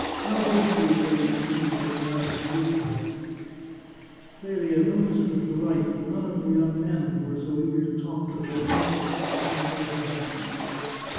How both those ladies seemed to admire Fabrizio !" Clelia noticed with delight that none of the young men who were so eager to talk to her had ventured to come near her balcony.